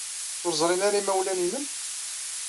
Ur ẓrin ara yimawlan-nnem?